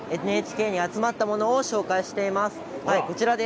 ＮＨＫに集まったものを紹介しています。